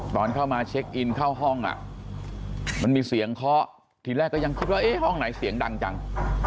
ตอนเข้ามาเช็คอินเข้าห้องมันมีเสียงเคาะทีแรกก็ยังคิดว่าเอ๊ะห้องไหนเสียงดังจัง